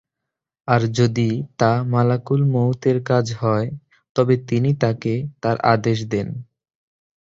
আর যদি তা মালাকুল মউতের কাজ হয় তবে তিনি তাকে তার আদেশ দেন।